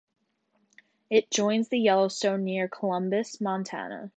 It joins the Yellowstone near Columbus, Montana.